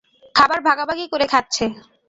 খাবার ভাগাভাগি করে খাচ্ছে।